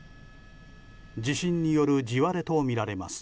地震による地割れとみられます。